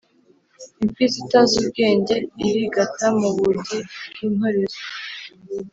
Imfizi itazi ubwenge irigata mu bugi bw’intorezo